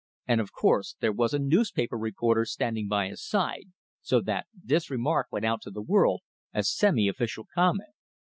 And of course, there was a newspaper reporter standing by his side, so that this remark went out to the world as semi official comment!